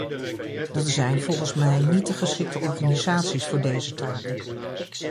Dat zijn volgens mij niet de geschikte organisaties voor deze taken.